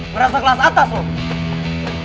merasa kelas atas loh